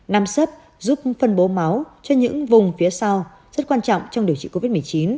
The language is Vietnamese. năm sấp giúp phân bố máu cho những vùng phía sau rất quan trọng trong điều trị covid một mươi chín